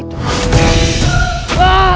tapi pak jajaran